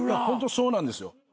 ホントそうなんですよ。